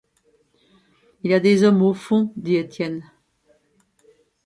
Il y a des hommes au fond, dit Étienne.